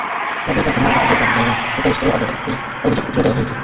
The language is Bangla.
কাজেই তাঁকে মামলা থেকে বাদ দেওয়ার সুপারিশ করে আদালতে অভিযোগপত্র দেওয়া হয়েছে।